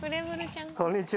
こんにちは。